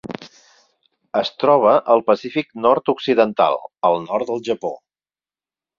Es troba al Pacífic nord-occidental: el nord del Japó.